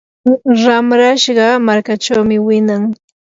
ramrashqa markaachawmi winan.